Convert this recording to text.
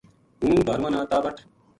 ہوں بھارواں نا تابٹ